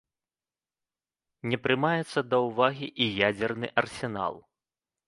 Не прымаецца да ўвагі і ядзерны арсенал.